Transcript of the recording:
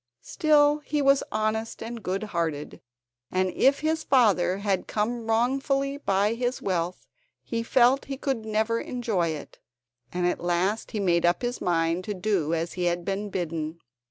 Still, he was honest and good hearted, and if his father had come wrongfully by his wealth he felt he could never enjoy it, and at last he made up his mind to do as he had been bidden.